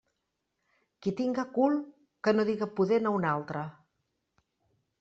Qui tinga cul que no diga pudent a un altre.